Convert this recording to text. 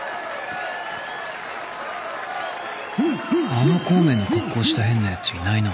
あの孔明の格好した変なやついないな